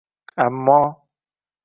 Ammo...